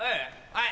はい！